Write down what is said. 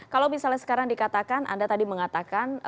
kalau misalnya sekarang dikatakan anda tadi mengatakan